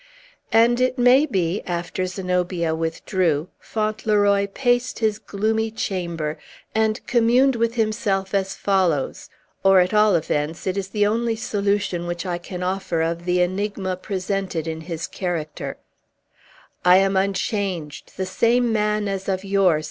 And, it may be, after Zenobia withdrew, Fauntleroy paced his gloomy chamber, and communed with himself as follows, or, at all events, it is the only solution which I can offer of the enigma presented in his character: "I am unchanged, the same man as of yore!"